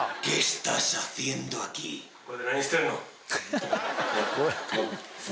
ここで何してんの？